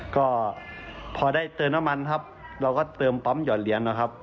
ก็พอได้เติมน้ำมันครับเราก็เติมปั๊มหยอดเหรียญนะครับ